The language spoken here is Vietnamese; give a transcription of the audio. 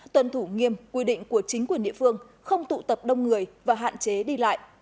tuân thủ nghiêm quy định của chính quyền địa phương không tụ tập đông người và hạn chế đi lại